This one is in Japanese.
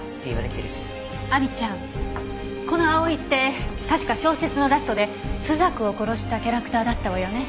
亜美ちゃんこの葵って確か小説のラストで朱雀を殺したキャラクターだったわよね？